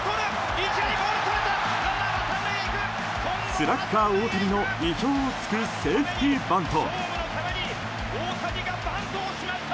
スラッガー大谷の意表を突くセーフティーバント。